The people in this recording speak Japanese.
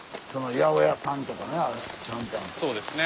そうですね。